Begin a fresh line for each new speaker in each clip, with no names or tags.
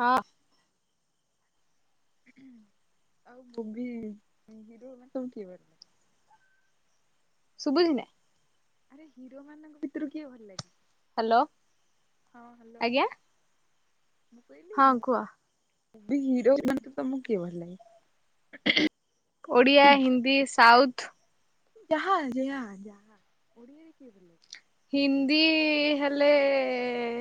ହଁ।
[unintelligible]
ସୁବୁ [unintelligible]
ଆରେ ହିରୋ ମାନଙ୍କ ଭିତରୁ କିଏ ଭଲ ଲାଗେ
ହ୍ୟାଲୋ
ହଁ ହ୍ୟାଲୋ
ଆଜ୍ଞ୍ୟା
ମୁଁ କହିଲି ମୁଁ ମୁ ବି ହିରୋ ମାନେ କିଏ ଭଲଲାଗେ [unintelligible]
ଓଡ଼ିଆ ହିନ୍ଦୀ ସାଉଥ୍
ଜାହା [unintelligible]
ହିନ୍ଦୀ ହେଲେ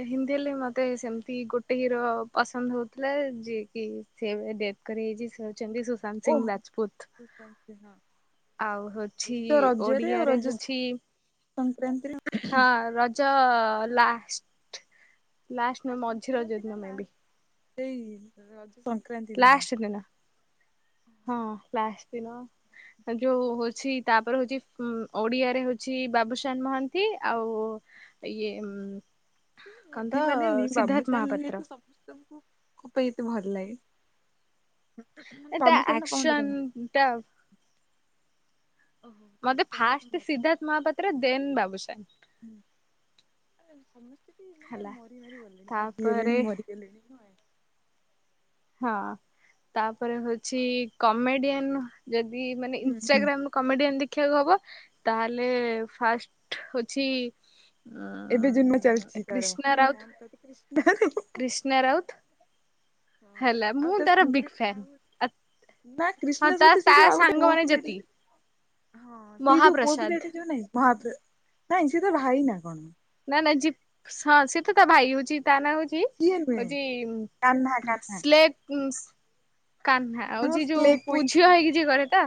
ହିନ୍ଦୀ ହେଲେ ମୋତେ ସେମିତି ଗୋଟେ ହିରୋ ପସନ୍ଦ ହେଉଥିଲା ଯିଏକି ସେ ଡେଥ୍ କରି ଯାଇଛି। ଯେମିତି ସୁଶାନ୍ତ ସିଂ
ଓହ
ରାଜପୁତ
ସୁଶାନ୍ତ ସିଂହ।
ଆଉ ହଉଛି
ଏଇ ତ ରଜରେ ଆଉ
ଓଡିଆରେ
ରଜ
ହଉଛି
ସଂକ୍ରାନ୍ତିରେ ନା
ହଁ ରଜ ଲାଷ୍ଟ୍ ଲାଷ୍ଟ୍ ନୁହଁ ମଝି ରଜ
ସଂକ୍ରାନ୍ତି ନା
ଦିନ ମେ ବି
ଲାଷ୍ଟ ସେଇ ରଜ ରେ
ଲାଷ୍ଟ୍ ଦିନ ହଁ ଲାଷ୍ଟ୍ ବିନ ଯଉ ହଉ [unintelligible] ତା ପରେ ହଉଛି ଓଡିଆରେ ହଉଛି ବାବୁସାନ ମହାନ୍ତି ଆଉ ଇଏ କଣ ତ
[unintelligible]
ସିଦ୍ଧାର୍ଥ ମହାପାତ୍ର
ଲାଇଟ୍
ଏଟା ଆକ୍ସନ୍ ଏଟା ମହାପାତ୍ର ଦେନ୍ ବାବୁସାନ ହେଲା ତାପରେ
[unintelligible]
ହଁ ତାପ [unintelligible] ହଉଛି କମେଡିଆନ୍। [unintelligible] ମାନେ
ହୁଁ ହୁଁ
ଇନଷ୍ଟାଗ୍ରାମ କମେଡିଆନ୍ ଦେଖିନ। ଶିକ୍ଷକ ହବ ତାହେଲେ ଫାଷ୍ଟ ହଉଛି।
ଏବେ ଜନ୍ମା
ଉଁ
ଚାଲିଛି ତାରା
କ୍ରିଷ୍ଣା ରାଉତ
କଣ [unintelligible] କୁଷ୍ଣ ର।
କ୍ରିଷ୍ଣା ରାଉତ ହେଲା ମୁଁ ତାର ବିଗ୍ ଫ୍ୟାନ୍ ଆତ୍।
ନା କ୍ରିଷ୍ଣା ସହିତ ସେଇଯୋଉ ଆଉଗୋଟେ ପୁଅପିଲା ଟେ।
ଯେତିକି
ହଁ ସେଇଯୋଉ
ମହାପ୍ରସାଦ
ପୁଅପିଲା ଟେ ଯୋଉ ନାହିଁ ମହପ୍ର। ନାଇଁ ସେ ତ ଭାଇ ନା କଣ?
ନା ନାଇ ଯିଏ ହଁ ସେତ ତା ଭାଇ ହଉଛି। ତା ନା ହଉଛି
ସିଏ ନୁହେଁ
ହଉଛି
କାହ୍ନା କାହ୍ନା
ସ୍ଲେଟ। କାହ୍ନା ଆଉ ଯ
ହଁ
ଯିଏ
ସ୍ଲେ
ଯୋଉ ପୁ
କୁଇନ୍
ଝିଅ ହେଇକି ଯିଏ କରେ ତ।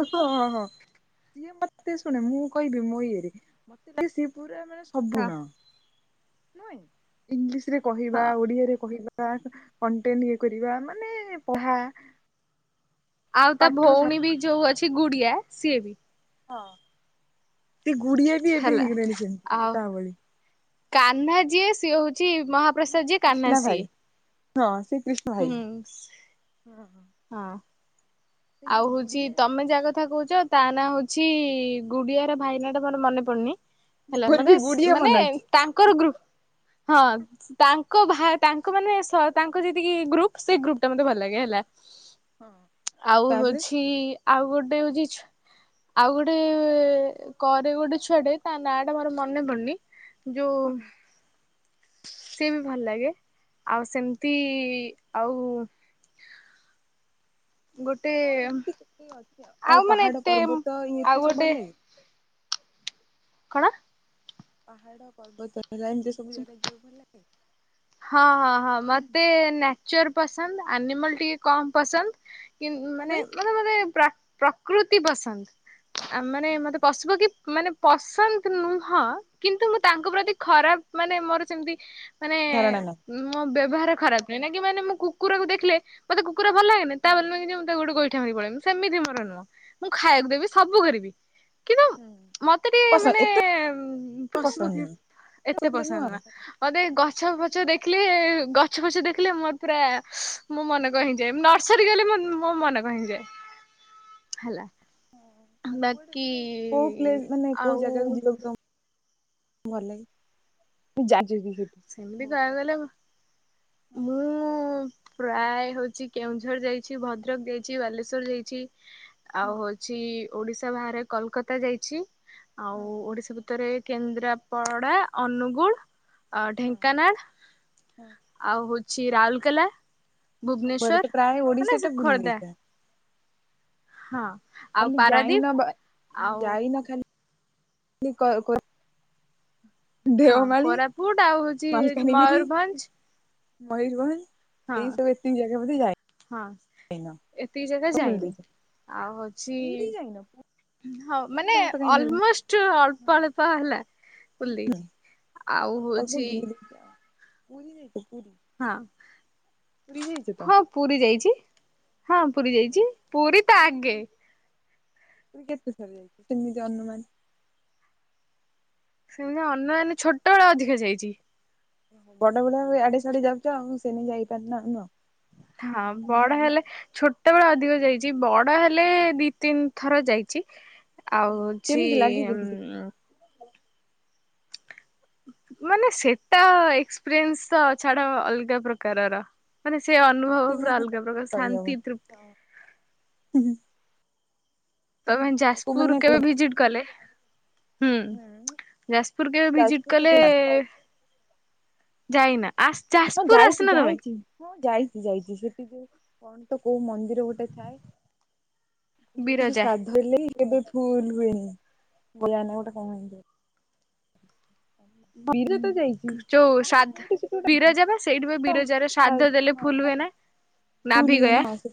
ହଁ ହଁ ସିଏ ମତେ ଶୁଣେ ମୁଁ କହିବି ମୋ ଇଏରେ ମତେ ଲାଗେ ସିଏ। ପୁରା ମାନେ ସବୁ
ହଁ
ନ। ନୁହେଁ ଇଂଲିଶ ରେ। କହିବା
ହଁ
ଓଡିଆରେ କହିବା। ବା କଣ୍ଟେଣ୍ଟ ଇଏ କରିବା ମାନେ ପଢ଼ା।
ଆଉ ତା ଭଉଣୀ ବି ଯୋଉ ଅଛି ଗୁଡିଆ। ସିଏ ବି
ହଁ ସେ ଗୁଡିଆ ବି ଏବେ
ହେଲା
ହେଇଗଲେଣି
ଆଉ
ସେମତି ତା ଭଳି।
କାହ୍ନା ସିଏ ହଉଛି ଯିଏ ମହାପ୍ରସାଦ ଯିଏ କାନ୍ହା
କ୍ରିଷ୍ଣା
ସିଏ।
ଭାଇ ହଁ ସେ କ୍ରିଷ୍ଣା ଭାଇ
ହୁଁ ହଁ
ସେ
ଆଉ
ଯୋଉ
ହଉଛି
ଗୁଡିଆ
ତମେ ଯାଆ କଥା କହୁଛ ତା ନାଁ ହଉଛି ଗୁଡିଆର ଭାଇନା ଟା ମୋର ମନେ ପଡୁନି ହେଲା
ମୋର ବି
ମଗଶ୍
ଗୁଡିଆ
ମାନେ
ମନେ ଅଛି
ତାଙ୍କର ଗ୍ରୁପ ହଁ ତାଙ୍କ ଭା ତାଙ୍କ ମାନେ ସ ତାଙ୍କ ଯେତିକି ଗ୍ରୁପ ସେଇ ଗ୍ରୁପ ଟା ମତେ ଭଲ ଲାଗେ ହେଲା।
ହଁ
ଆଉ
ତାପରେ
ହଉଛି ଆଉ ଗୋଟେ ହଉଛି ଆଉ ଗୋଟେ କରେ ଗୋଟେ ଛୁଆଟେ ତା ନାଁ ଟା ମୋର ମନେ ପଡୁନି ଯଉ ଆଉ ସେମିତି ଆଉ ଗୋଟେ
ହଁ ଏମିତି କେ [inaudible] ଅଛି ଆଉ
ମାନେ
ପାହାଡ
ଏତେ
ପର୍ବତ ଇ
ଆଉ
ଏତେ ସବୁ
ଗୋଟେ
ଭଲଲାଗେ।
କଣ?
ପହାଡ଼ ପର୍ବତ ଲାଇନ୍ ରେ ସବୁ [unintelligible]
ହଁ ହଁ ହଁ ମତେ ନ ର ପସନ୍ଦ ଆନିମଲ ଟିକେ କମ ପସନ୍ଦ। କି
କଣ
ମାନେ,
ପାଇଁ
ମାନେ ମାନେ ପ୍ରା ପ୍ରକୃତି ପସନ୍ଦ ଆ ମାନେ ମତେ ପଶୁ ପକ୍ଷୀ ମାନେ ପସନ୍ଦ ନୁହଁ କିନ୍ତୁ ମୁଁ ତାଙ୍କ ପ୍ରତି ଖରାପ ମାନେ ମୋର ସେମିତି
ଧର
[unintelligible] ମୋ ବେ ବେବହାର ଖରାପ ନାହିଁ ନା କି ମାନେ ମୁ କକୁର କୁ ଦେଖିଲେ ମତେ କୁ କୁର ଭଲ ଲାଗେନି
ହଁ
ତାବୋଲି ନୁହଁ କି ଯେ ମୁଁ ତାକୁ ଗୋଟେ ଗୋଇ ଗୋଇଠା ମାରିକି ପଳେଇବି ସେମିତି ମୋର ନୁହଁ ମୁଁ ଖାଇବାକୁ ଦେବି ସବୁ କରିବି। କିନ୍ତୁ,
ହୁଁ।
ମତେ ଟିକେ
ପସନ୍ଦ
ମାନେ
ଏତେ ପସନ୍ଦ
ପଶୁପକ୍ଷୀ
ନୁହଁ
ଏତେ ପସନ୍ଦ ନୁହଁ। ମୋତେ ଗଛ
ଆଚ୍ଛା
ପ ଦେଖିଲେ ଗଛ ଫଛ ଦେଖିଲେ ମୋର ପୁରା ମୋ ମନକଣ ହେଇଯାଏ ନର୍ସରୀ ଗଲେ ମୋ ମନକଣ ହେଇଯାଏ ହେଲା।
ହ ଆଉ କୁଆଡେ
ବାକି
ମାନେ କୋଉ ପ୍ଲେସ୍ ମାନେ କୋଉ
ଆଉ
ଜାଗାକୁ ଯିବାକୁ ତମ ଭଲଲାଗେ [unintelligible]
ସେମିତି କହିବାକୁ ଗଲେ, ମୁଁ ପ୍ରାୟ ହଉଛି କେଉଁଝର ଯାଇଛି, ଭଦ୍ରକ ଯାଇଛି, ବାଲେଶ୍ଵର ଯାଇଛି। ଆଉ
ହୁଁ
ହଉଛି ଓଡିଶା ବାହାରେ କଲକାତା ଯାଇଛି। ଆଉ
ହଁ
ଓଡିଶା ଭିତରେ କେନ୍ଦ୍ରାପଡା, ଅନୁଗୁଳ ଆ
ହଁ
ଢେଙ୍କାନାଳ
ହଁ
ଆଉ ହଉଛି ଛିି ରାଉଲକେଲା।
ସବୁଆଡେ ତ ପ୍ରାୟ ଓଡିଶା ଟା ବୁଲି
ଖୋର୍ଦ୍ଧା
ଦେଇଛ।
ହଁ ଆଉ
ଯାଇନ ବା
ପାରାଦୀପ ଆଉ
[unintelligible]
ହଁ
ଦେଓମାଳି
କୋରାପୁଟ ଆଉ ହଉଛି ମୟୂରଭଞ୍ଜ।
ମୟୂରଭ ଏଇ ସବୁ ଏତି ଜାଗା ବୋଧେ ଯାଇ
ଏତିକ ଜାଗା ଯାଇନି ଆଉ ହଉଛି
ପୁରୀ ଯାଇନ
ହଁ
ପୁରୀ
ମାନେ
ନା ତ କାହିଁ ନେଲନି
ଅଲମୋଷ୍ଟ ଅଳ୍ପ
ହୁଁ
ଅଳ୍ପ ହେଲା ବୁଲି ଦେଇଛି, ଆଉ
ଅଳ୍ପ ଅଳ୍ପ
ହଉଛି
ବୁଲି ଦେଇଛ ଆଉ ପୁରୀ [unintelligible]
ହଁ,
ପୁରୀ ଯାଇଛ ତ
ହଁ ପୁରୀ ଯାଇଛି। ହଁ ପୁରୀ ଯାଇଛି ପୁରୀ ତ ଆଗେ।
ତମେ କେତେଥର ଯାଇଚ? ଯେମିତି ଅନୁମାନ
ସେମିତି ଅନୁମାନ ଛୋଟବେଳେ ଅଧିକା ଯାଇଛି।
ବଡ ବଡ ଆଡେ ସିଆଡେ ଯାଉଛ ଆଉ ସେ ନାଗି ଯାଇପାରୁନ ଆଉ ନୁହଁ
ହଁ ବଡ ହେଲେ ଛୋଟ ବେଳେ ଅଧିକ ଯାଇଛି। ବଡ ହେଲେ ଦି ତିନି ଥର ଯାଇଛି। ଆଉ ହଉଛି
କେମିତି ଲାଗେ କେମିତି
ମାନେ ସେଟା ଏକ୍ସପିରିଏନ୍ସ ତ ଛାଡ ଅଲଗା ପ୍ରକାରର। ମାନେ ସେ
ହଁ
ଅନୁଭବ ପୁରା
ମାନେ
ଅଲଗା
କଥାରେ
ପ୍ରକାର
କହିହବନି।
ଶାନ୍ତି ତୃପ୍ତି। ତମେ
ତାକୁ
ଯାଜପୁର
ମାନେ
କେବେ ଭିଜିଟ କଲେ ହୁଁ ଯାଜପୁର କେବେ ଭିଜିଟ
ଯାଜପୁର
କଲେ
କେବେ
ଯାଇନା ଆସ୍
ହଁ
ଯାଜପୁର
ଯାଇଛି
ଆସିନ ତମେ?
ଯାଇଛି ହଁ ଯାଇଛି ଯାଇଛି ସେଠିକ କଣ ତ କୋଉ ମନ୍ଦିର ଗୋଟେ ଥାଏ ଯୋଉଠିକି
ବିରଜା
ଶ୍ରାଧ ହେଲେ କେବେ ଫୁଲ ହୁଏନି [unintelligible] ଗୋଟେ କଣ ହୁଏ
ଯୋଉ
ଆଉ ଗୋଟେ
ସାଧ
କୋଉଠି ସେଠି ଗୋଟେ
ବିରେ ଯବେ ସେଇଠି ବି ବିରଜାରେ
ହଁ
ଶ୍ରାଦ୍ଧ ଦେଲେ ଫୁଲ ହୁଏ ନା
ଫୁଲ ହୁଏ ନା
ନାଭିିକୟା
ହଁ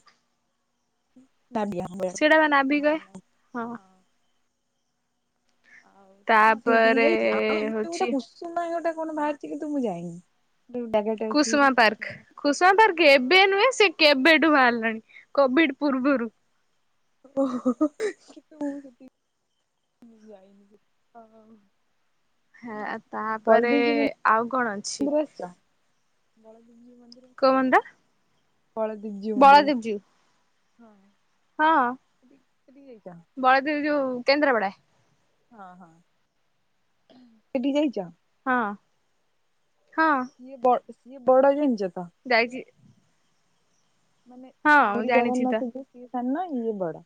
ନାଦିଆ ହଁ
ସେଇଟା ବା ନାଭିିକୟା ହଁ
ଆଉ ହଁ ସେଇଠିକି
ତାପରେ
ଯାଇଛି ଆଉ ଏ
ହଉଛି
ଗୋଟେ କୁସୁମୟ ଗୋଟେ କଣ ବାହାରଛି କି ନ୍ତୁ ମୁଁ ଯାଇନି ଗୋଟେ ଜାଗାଟେ ଅଛି
କୁସୁମା
କଣ
ପାର୍କ
ନା
କୁସୁମା ପାର୍କ ଏବେ ନୁହେଁ ସେ କେବେଠୁ ବାହାରିଲ। ହ [unintelligible] କୋଭିଡ଼ ପୂର୍ବରୁ
ଓ ହ କିନ୍ତୁ ମୁଁ ସେଠିକି ଯାଇନି
ହଁ ତାପରେ
ବଳଦେବଜୀଉ
ଆଉ କଣ ଅଛି।
ଭ [unintelligible]
କମଣ୍ଡା [unintelligible]
କଳଦିପ ଜୀଉନି [unintelligible] ହଁ
ହଁ
ସେଠି ସେଠିକି ଯାଇଛ
ବଳଦେବ ଯୋଉ କେନ୍ଦ୍ର ବଡ଼
ହଁ ହଁ କେଡି ଯାଇଛ
ହଁ
କିଏ ବ ସଏ ବଡ ଜାଣିଛ। ତ
ଗାାଇଛିି।
ମାନେ ପୁରୀ ଜଗନ୍ନାଥ ତ ନା ଇ ବଡ଼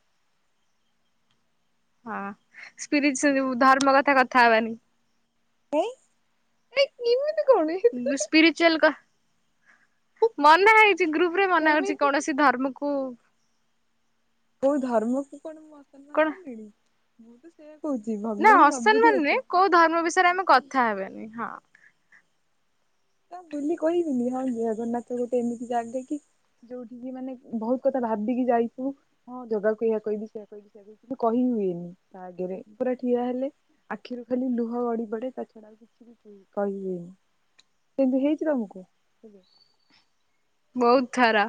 ହଁ ସ୍ପିରି ଧର୍ମ କଥା କଥା ହବାନି
ଏ
ସ୍ପିରିଚୁଆଲ କା ମନା ହେଇଛି ଗ୍ରୁପ
ଆରେ
ରେ ମନା ହଉଛି
ସେମିତି
କୌଣସି ଧର୍ମକୁ
କଉ ଧର୍ମକୁ ପଣ ମସ୍ତ
କଣ
ମାନ କ ନଡି ମୁଁ ତୁ ସେ
ନା ଅସମ୍ମାନ ନୁହେଁ କୋଉ ଧର୍ମ ବିଷୟରେ ଆମେ କଥା ହେବେନି ହଁ।
ତା ବୁଲି କହିବିନି ହଁ ଜଗନ୍ନାଥ ଗୋଟେ ଏମିତି ଜାଗା କି ଯୋଉଠିକି ମାନେ ବହୁତ କଥା ଭାବିକି ଯାଇଥୁ ହଁ ଜଗାକୁ ଏହା କହିବି ସେ କହିବି ସେ କୁ କହି ହୁଏନି ତା ଆଗରେ ପୁରା ଠିଆ ହେଲେ ଆଖିରୁ ଖାଲି ଲୁହ ଗଡି ପଡେ ତା ଛଡା ଆଉ କିଛି ବି କହିହୁଏନି। କିନ୍ତୁ ହେଇଛି ତମକୁ
ବହୁତ ଖରା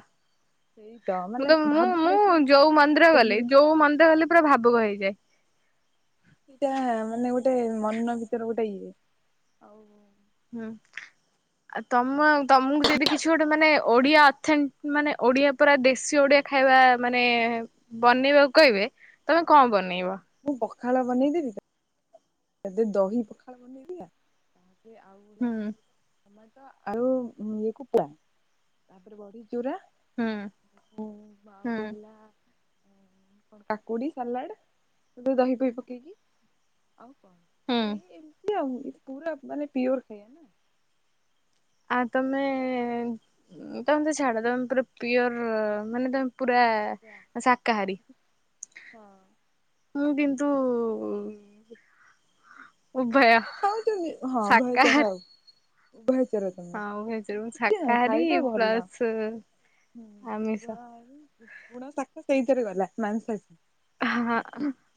ସେଇ
ମୁଁ
ମାନେ
ତ ମୁଁ
ଭାବିକି
ମୁଁ
ଯାଇଥିବ ନା
ଯୋଉ
ସବୁ
ମନ୍ଦିର ଗଲି
କହିବି
ଯୋଉ ମନ୍ଦିର ଗଲେ ପୁରା ଭାବୁକ ହେଇଯାଏ।
ଏଇଟା ମାନେ ଗୋଟେ ମନ ଭିତରେ ଗୋଟେ ଇଏ ଆଉ।
ହୁଁ ଆ ତମ ତମକୁ ଯଦି କିଛି ଗୋଟେ ମାନେ ଓଡିଆ
ହଁ
ମାନେ ଓଡିଆ ପୁରା [inaudible] ଖାଇବା
ହଁ
ମାନେ ବନେଇବାକୁ କହିବେ ତମେ କଣ ବନେଇବ
ଖାଇଲାା ବନେଇ ଦେବି ତ। କେ ଦୋହି ପଖଳ ବନେଇ ଦଆ ସେ ଆଉଲାା
ହୁଁ
କ ଟମାଟ ଆଉ ଇ କୁକୁଡ଼ା ତାପରେ ବଢ
ହୁଁ ହୁଁ
ଆଉ ହେଲା। କଣ କାକୁଡି ସାଲାଡ ଦହି ପହି ପକେଇକି ଆଉ କଣ?
ହୁଁ।
ଏଇ ଏମିତି ପୁରା ମାନେ ପିଓର ଖ ନା
ଆ ତମେ ତମେ ତ ଛାଡ ତମେ ପା ପିଓର ମାନେ ତମେ ପୁରା ଶାକାହାରୀ
ହଁ
ମୁଁ। ତୁ ଊ
[unintelligible] ହଁ ଭାଇଚାର ଆଉ। ଭାସ୍। [inaudible]
ଆଉ ଭେଜରେ ମୁଁ
ଏମିତି ଆଉ
ଶାକାହାରୀ
ଖାଇବା ଭଲ
ପ୍ଲସ ଆମିଷ।
[inaudible] ସେଇ। ସରିଗଲା ମାନସା
ହଁ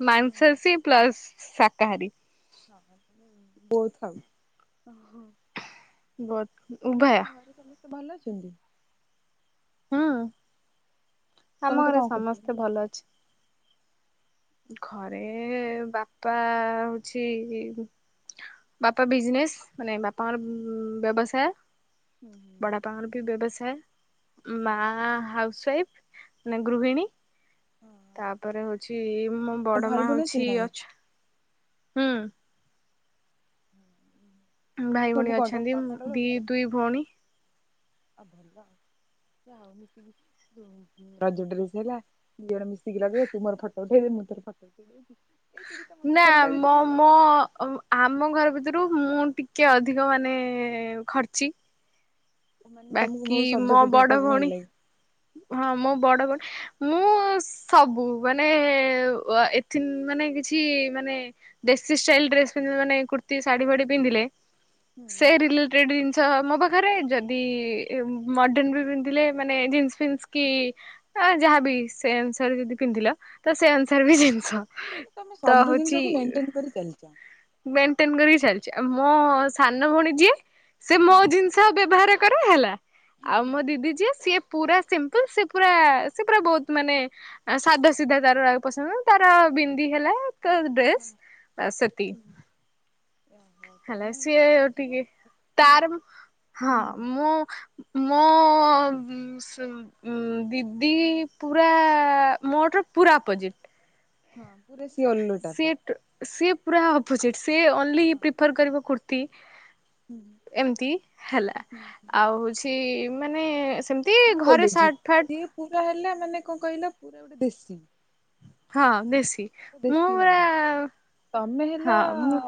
ମାଂସାସୀ ପ୍ଲସ୍ ଶାକାହାରୀ
ବୋଥ ଆଉ।
ବୋଥ
ତମ
ଉଭୟ।
ଘରେ ସମସ୍ତେ ଭଲ ଅଛନ୍ତି।
ହୁଁ। ଆମ
ସମସ୍ତେ
ଘରେ
କଣ
ସମସ୍ତେ
କରୁଛନ୍ତି?
ଭଲ ଅଛି। ଘରେ ବାପା ହଉଛି ବାପା ବିଜନେସ ମାନେ ବାପାଙ୍କର ବ୍ୟବସାୟ।
ହୁଁ
ବଡ଼ା ବାପା
ହୁଁ
ଙ୍କର ବି ବ୍ୟବସାୟ। ଏ। ମା
ଭଲ ତ
ହାଉସ ୱାଇଫ ମାନେ
ହଁ
ଗୃହିଣୀ
ହଁ।
ତାପରେ ହଉଛି ମୋ
ତ
ବଡ
ଭାଇ
ମା
ଭଉଣୀ ଅଛନ୍ତି
ହଉଛି
ନା ନାଇଁ?
ଅଛ ହୁଁ।
[inaudible] ତୁ
ଭାଇ
ସବୁ
ଭଉଣୀ
କଣ ତମ
ଅଛନ୍ତି ଉ
ମାମାର
ଦି
ରହୁଛ?
ଦୁଇ ଭଉଣୀ।
[inaudible] ଡ୍ରେସ ହେଲା ର ମିଶିକି ଲଗେଇ ତୁ ମୋର ଫଟୋ ଉଠେଇ ମୁଁ ତର ଫଟୋ ଉଠେଇବି।
ନା ମ ମ ଆମ ଘର ଭିତରୁ ମୁଁ ଟି କିଏ ଅଧିକ ମାନେ ଖର୍ଚ୍ଚି?
ମାନେ ତମକୁ
ବାକି
ବହୁତ
ମୋ
ସଜ ଫଜ
ବଡ
ହେବାକୁ ଭଲ
ଭଉଣୀ
ଲାଗେ।
ହଁ ମୋ ବଡ ଭଉଣୀ ମୁଁ ସବୁ ମାନେ ଅ ଏଥି ମାନେ କିଛି ମାନେ ବେଶି ଷ୍ଟାଇଲ ଡ୍ରେସ ମାନେ କୁର୍ତ୍ତୀ ଶାଢୀ ଫାଢି ପିନ୍ଧିଲେ ସେ
ମାନେ
ରିଲେଟେଡ ଜିନ୍ ଆଛା ମୋ ପାଖରେ ଯଦି ମଡ଼ର୍ଣ୍ଣ ବି ପିନ୍ଧେ ମାନେ ଜିନସ୍ ଫିନ୍ସ କି ଏ ଯାହାବି ସେ ଅନୁସାରେ ଯଦି ପିନ୍ଧିଲା ତ ସେ ଅନୁସାରେ ବି ଜିନିଷ।
ତମେ
ତ
ସବୁ
ହଉଛି
ଜିନିଷକୁ ମେଣ୍ଟେନ କରି ଚାଲିଛ।
ମେଣ୍ଟେନ କରି ଚାଲିଛି ଆ ମୋ ସାନ ଭଉଣୀ ଯିଏ ସେ ମୋ
ହୁଁ
ଜିନିଷ ବ୍ୟବହାର କରେ ହେଲା। ଆଉ
ହୁଁ
ମୋ ଦିଦି ଯିଏ ସିଏ ପୁରା। ସିମ୍ପଲ ସେ ପୁରା ସେ ପୁରା ବହୁତ ମାନେ ସାଧା ସିଧା ତାର ରାଗ ପସନ୍ଦ ତାର ବିନ୍ଦି ହେଲା। ଡ୍ରେସ୍
ହଁ
ଆ ସତି
ଓହୋ
ହେଲା
ତମେ ହଉଛ
ସିଏ
ମଝିଆ।
ଟିକେ ତାର ହଁ
ହୁଁ
ମୁଁ। ମୋ ଦିଦି ପୁରା ମୋର ପୁରା ଅପୋଜିଟ୍
ହଁ ପୁର।
ସେିଠ୍ ସେଠ ପୁରା ଅପୋଜିଟ୍ ସେଏଲି
ହଁ
ପ୍ରିଫର କରିବା। ତି
ହୁଁ
ଏମତି ହେଲା
ହୁଁ ହୁଁ
ଆଉ ହଉଛି। ମାନେ ସେମିତି
ମୁଁ
ଘରେ
କହିଦେଉଛି
ସାର୍ଟ ଫାଟ
ଟିକେ ପୁରା ହେଲା ମାନେ କଣ କହିଲା ପୁରା ଗୋଟେ ବେଶୀ
ହଁ ବେଶୀ ମୁଁ ପୁର
ନାରୀ ତମେ ହେଲ
ହଁ ମୁ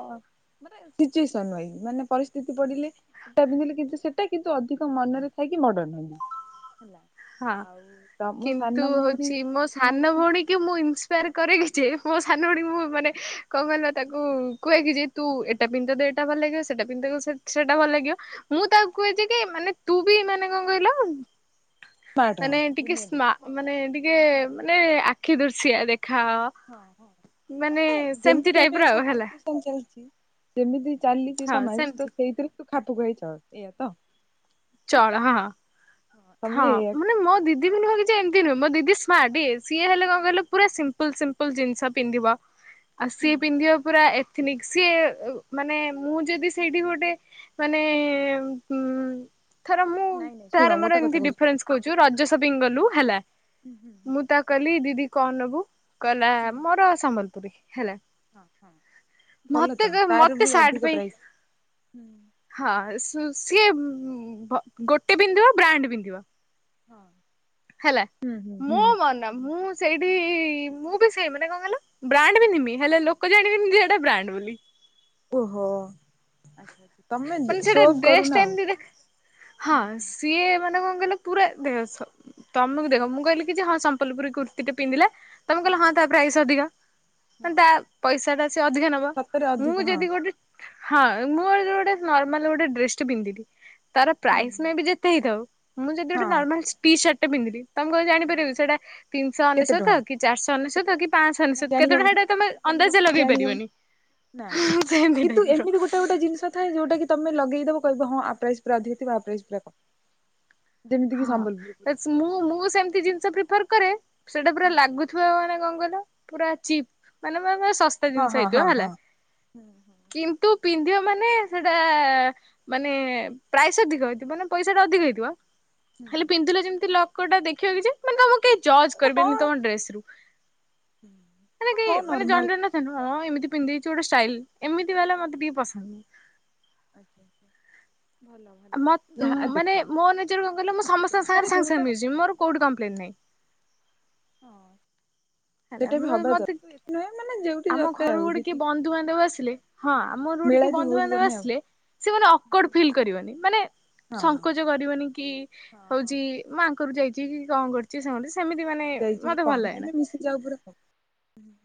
ମାନେ ସିଚୁଏସନ ମାନେ ପରିସ୍ଥିତି ପଡିଲେ ସେଟା ପିନ୍ଧିଲେ କିନ୍ତ ସେଟା କିନ୍ତ ଅଧିକ ମନରେ ଥାଇକି ମଡର୍ଣ ହି
ହଁ କିନ୍ତୁ
ସାନ ଭଉଣୀ
ହଉଛି ମୋ ସାନ ଭଉଣୀ କି ମୁଁ ଇରେ କି ଯେ ମୋ ସାନ ଭଣ ମୁଁ ମାନେ କଣ କହିଲ ତାକୁ କୁହେ କି ଯେ ତୁ ଏଟା ପିନ୍ଧୁ ଏଟା ଭଲ ଲାଗିବ ସେଟା ପିନ୍ଧ ସେଟା ଭଲ ଲାଗିବ ମୁଁ ତାକୁ କୁହେ କି ମାନେ ତୁ ବି ମାନେ କଣ କହିଲ।
ସ୍ମାର୍ଟ
ମାନେ ଟିକେ
ଦୁନିଆ
ସ୍
ଦେଖି
ମାନେ ଟିକେ
ହଁ
ମାନେ କି ଦର୍ଶସିଆ ଦେଖ
ହଁ ହ ନଁ
ସେମିତି
ଯେମିତି
ଟାଇପ ର ଆଉ ହେଲା
ଚାଲିଛି। କେମିତି ଚାଲିଛି
ହଁ
ସମାଜ
ସେମିତି।
ତ ସେଇଥିରେ ଖାପୁ ଖାଇ ଚ ଏଇ ଆ ତ ଆଁ
ଚଳ ହଁ। ହଁ
ତମେ ଏଇଆ
ମାନେ ମୋ ଦିଦି ବୋଲି ଭାବିଛି ଏମିତି ନୁହଁ ମୋ ଦିଦି ସ୍ମାର୍ଟ
ହଁ
ସିଏ ହେଲେ କଣ ପା ସିମ୍ପଲ ସିମ୍ପଲ ଜିନିଷ ପିନ୍ଧିବା। ଆଉ
ହୁଁ
ସିଏ ପିନ୍ଧିବା ପୁରା ଏ ସି ମାନେ ମୁଁ ଯଦି ସେଇଠି ଗୋଟେ ମାନେ ଉ ଥରେ ମୁଁ
ନାଇଁ ନାଇଁ ଶୁଣ
ତାର ମୋର
ଗୋଟେ କଥା
ଏମିତି
କହୁଛି ଶୁଣ
ଲ
ହଁ ହଁ
ହେ
ହୁଁ ହୁଁ
ମୁଁ ତା କ ଦିି କଣ ନବୁ? କହିଲ
ହୁଁ ହୁଁ
ମୋରସ ମ ପୀ ହେଲା।
ଭଲ
ମତେ
ତ ତାର
ମତେ
ବି
ସାର୍ଟ
ଅଧିକ
ପାଇଁ
ପ୍ରାଇସ୍।
ହଁ ସିଏ ବ ଗୋଟେ ପିନ୍ଧିବ ବ୍ରାଣ୍ଡ ପିନ୍ଧିବ। [inaudible]
ହଁ।
ହେଲା
ହୁଁ ହୁଁ
ମୋ
ହୁଁ
ମନ ମୁଁ ସେଇଠି ମୁଁ ବି ସେଇ ମାନେ କଣ କଇଲ ବ୍ରାଣ୍ଡ ପିନ୍ଧିବି ହେଲେ ଲୋକ ଜାଣିବେନି ଯେ ବ୍ରାଣ୍ଡ ବୋଲି।
ଓହୋ ଆଚ୍ଛା ତମେ
ମାନେ ସେଟା
ସୋଅପ୍
ଡ୍ରେସ୍
କରୁନ
ଟା
ଆଉ
ଏମତି ଦେ ହଁ
ହୁଁ
ସିଏ ମାନେ କ ମାନେ ପୁରା ଦେକ ତମକୁ ଦେଖ ମୁଁ କହିଲି କି ଯେ ହଁ ସମଲପୁରି କୁର୍ତୀ ଟେ ପିନ୍ଧିଲେ ତମେ କହିଲ ହଁ ତା ପ୍ରାଇସ ଅଧିକ
ହଁ
ମାନେ ତା ପଇସା ଟା ସେ ଅଧିକା ନବ
ସତରେ
ମୁଁ
ଅଧିକ ହଁ
ଯଦି ଗୋଟେ ହଁ ମୋର ଯୋଉ ଟା ନର୍ମାଲ ଗୋଟେ ଡ୍ରେସ ଟେ ପିନ୍ଧିଲି। ତାର
ହୁଁ
ପ୍ରାଇସ୍ ପାଇଁ ବି ଯେତେ ହେଇଥାଉ ମୁଁ ଯଦି ଗୋଟେ
ହଁ
ନର୍ମାଲ ଟି ସାର୍ଟ [unintelligible] ତମେ କଣ
ହଁ
ଜାଣିପାରିବ କି ସେଟା ତିିନିଶ
କେତେ ଟଙ୍କା
ଅନେଶ୍ୱତ କି ଚାରିଶ ଅନେସ୍ଵତ। ତା କି ପାଅଶ
ନା
ଅନେଶ୍ୱତ କେତେ ଟଙ୍କା
ଜାଣିହବନି
ଏଟା ତମେ ଅନ୍ଦାଜିଆ ଲଗେଇ
ଜାଣିହବନି
ପାରିବନି।
ନା
ପିନ୍ଧିଁ ନାଇ
କିନ୍ତୁ
ମୋର।
ଏମିତି ଗୋଟେ ଗୋଟେ ଜିନିଷ ଥାଏ ଯୋଉଟା କି ତମେ ଲଗେଇଦବ କହିବ ହଁ ଆ ପ୍ରାଇସ୍ ପୁରା ଅଧିକ ଥିବ ଆ ପ୍ରାଇସ୍ ପୁରା କମ୍। ଯେମିତି କିି ସମ୍ବଲପୁରୀ
ହଁ ମୁଁ ମୁଁ ସେମିତି ଜିନିଷ ପ୍ରିଫ କରେ। ସେଇଟା ପୁରା ଲାଗୁଥିବ ମାନେ କ କଇଲ। ପୁରା ଚିପ୍ ମାନେ ଶସ୍ତା ଜିନିଷ
ହଁ
ହେଇଥିବ
ହଁ
ହେଲା କିନ୍ତୁ ପିନ୍ଧିବ ମାନେ ସେଟା ମାନେ ପ୍ରାଇସ୍ ଅଧିକ ହେଇଥିବ ମାନେ ପଇସାଟା ଅଧିକ ହେଇଥିବ ହେଲେ
ହଁ
ପିନ୍ଧିଲ ଯେମିତି ଲ କୋଟା ଦେଖିବା କି ଯେ ମାନେ ତମକୁ କେ ଜଜ
ହଁ
କରିବେନି ତମ ଡ୍ରେସ ରୁ ମାନେ
ହୁଁ
କେ
ହଁ
ମାନେ ଜ
ନର୍ମାଲ
ନ ଏମ ପିନ୍ଧିଛି ଗୋଟେ ଷ୍ଟାଇଲ ଏମିତି ବାଲା ମୋତେ ଟିକେ ପସନ୍ଦ।
ଆଚ୍ଛା ଆଚ୍ଛା ଭଲ ଭଲ। ଯାହା
ମାନେ
ଦେଖ
ମୋ ନିଜର କଣ କହିଲ ମୁଁ ସମସ୍ତଙ୍କ ସାଙ୍ଗେ
ଯାହାର
ସାଙ୍ଗେ
ଯୋଉଟା ହଁ
ମିଶିଯିବି ମୋର କୋଉଠି କମ୍ପ୍ଲେନ୍ ନାହିଁ।
[inaudible]
ହେଲା
ସେଟା ବି
ମୁଁ
ହବା
ମତେ
ଦରକାର ଏତେ ନୁହେଁ ମାନେ ଯୋଉଠି
ଆମ
ଦରକାର
ଘରୁ
ଆଉ
ଗୋଟେ କିଏ
ଯେତିକି
ବନ୍ଧୁବାନ୍ଧବ ଆସିଲେ ହଁ ଆମର ଗୋଟେ
ମେଳା
କିଏ
ଯୋଉ ହଉଚି
ବନ୍ଧୁବାନ୍ଧବ
ତମେ ଆଉ
ଆସିଲେ ସ ମାନେ ଅକ୍ୱାର୍ଡ ଫିଲ୍ କରିବନି ମାନେ
ହଁ ହଁ।
ସଙ୍କୋଚ କରିବନି କି
ହଁ ହଁ।
ହଉଛି ମା ଯାଇଛି କି କଣ କରଛି ସାଙ୍ଗରେ ସେମିତି ମାନେ
ଯାଇଛି କି
ମତେ ଭଲ
କଣ
ଲାଗେନା।
ତମେ ମିଶି [inaudible]